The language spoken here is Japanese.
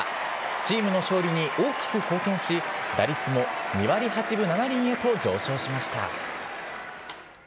チームの勝利に大きく貢献し、打率も２割８分７厘へと上昇しました。